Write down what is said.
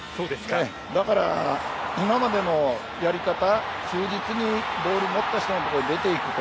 だから今までのやり方忠実にボールを持った人の所に出ていくと。